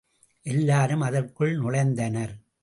எல்லாரும் அதற்குள் நுழைந்தனர்.